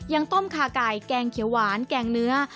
ยังต้มขาไก่แกงเขียวหวานแกงเนื้อ